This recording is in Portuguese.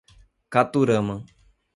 Caturama